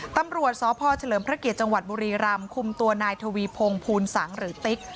ตำรวจสพเฉลิมพระเกียรติจังหวัดบุรีรำคุมตัวนายทวีพงศ์ภูลสังหรือติ๊ก